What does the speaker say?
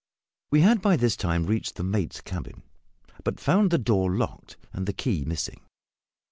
We had by this time reached the mate's cabin; but found the door locked, and the key missing.